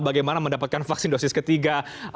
bagaimana mendapatkan vaksin dosis ketiga